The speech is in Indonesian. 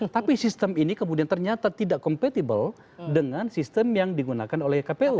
tapi sistem ini kemudian ternyata tidak compatible dengan sistem yang digunakan oleh kpu